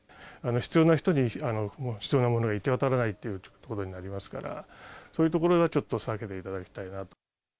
必要な人に、必要なものが行き渡らないということになりますから、そういうところはちょっと避けていただきたいなと。